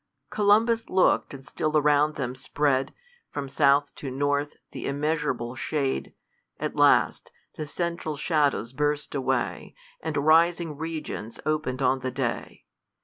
COLUMBUS look'd ; and still around them spread, From south to north, th' immeasurable shade ; At last, the central shadows burst away, And rising regions open'd on the day.